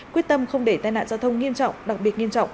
quyết tâm không để tai nạn giao thông nghiêm trọng đặc biệt nghiêm trọng